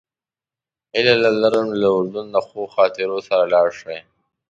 هیله لرم له اردن نه ښو خاطرو سره لاړ شئ.